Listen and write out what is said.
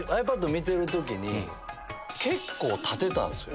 見てる時に結構立てたんですよ。